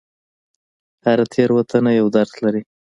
هره تېروتنه یو درس لري.